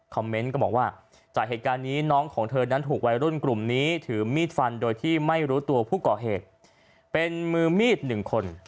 เมนต์ก็บอกว่าจากเหตุการณ์นี้น้องของเธอนั้นถูกวัยรุ่นกลุ่มนี้ถือมีดฟันโดยที่ไม่รู้ตัวผู้ก่อเหตุเป็นมือมีดหนึ่งคน